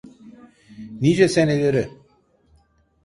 Nice senelere.